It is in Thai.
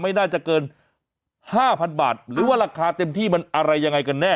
ไม่น่าจะเกิน๕๐๐๐บาทหรือว่าราคาเต็มที่มันอะไรยังไงกันแน่